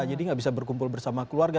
jadi gak bisa berkumpul bersama keluarga